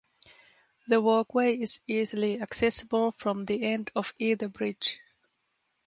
The walkway is easily accessible from the end of either bridge.